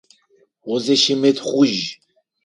Узыщымытхъужь.